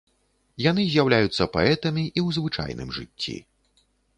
Яны з'яўляюцца паэтамі і ў звычайным жыцці.